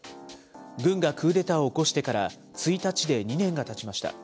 軍がクーデターを起こしてから１日で２年がたちました。